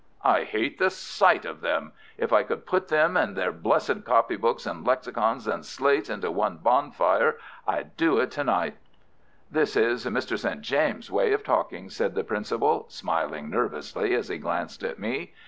"I hate the sight of them! If I could put them and their blessed copybooks and lexicons and slates into one bonfire I'd do it to night." "This is Mr. St. James's way of talking," said the principal, smiling nervously as he glanced at me.